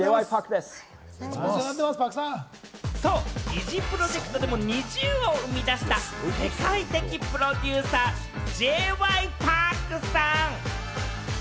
ＮｉｚｉＰｒｏｊｅｃｔでＮｉｚｉＵを生み出した世界的プロデューサー、Ｊ．Ｙ．Ｐａｒｋさん！